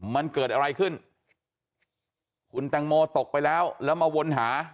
มันเกิดอะไรขึ้นคุณแตงโมตกไปแล้วแล้วมาวนหา